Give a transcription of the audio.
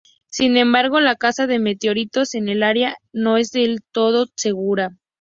Sin embargo, la caza de meteoritos en el área no es del todo segura.